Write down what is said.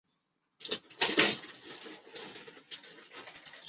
大殷皇帝王延政请求南唐出兵攻打福州。